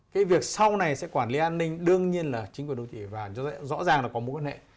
cái việc sau này sẽ quản lý an ninh đương nhiên là chính quyền đô thị và rõ ràng là có mối quan hệ